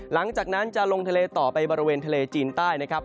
หลังจากนั้นจะลงทะเลต่อไปบริเวณทะเลจีนใต้นะครับ